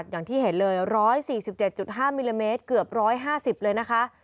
อย่างที่เห็นเลย๑๔๗๕มิลลิเมตรเกือบ๑๕๐เลยนะคะ